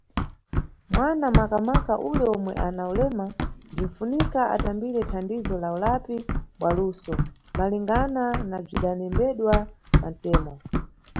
Mwana, makamaka ule omwe ana ulema, bzinʼfunika atambire thandizo lá ulapi bwa luso, malingana na bzidanembedwa pantemo.